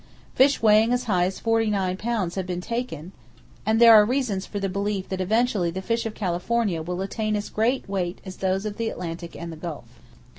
Fish weighing as high as forty nine pounds have been taken, and there are reasons for the belief that eventually the fish of California will attain as great weight as those of the Atlantic and the Gulf.